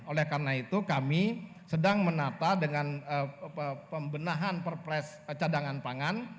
oleh karena itu kami sedang menata dengan pembenahan perpres cadangan pangan